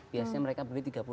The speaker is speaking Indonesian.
biasanya mereka beli tiga puluh